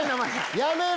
やめろ！